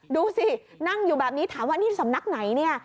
ดูสินั่งอยู่แบบนี้ถามว่านี่สำนักไหนเนี่ย